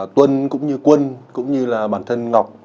tuân cũng như quân cũng như là bản thân ngọc